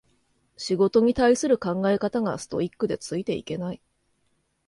仕事に対する考え方がストイックでついていけない